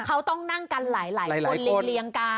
เขาต้องนั่งกันหลายคนเรียงกัน